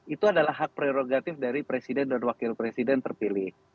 itu adalah hak prerogatif dari presiden dan wakil presiden terpilih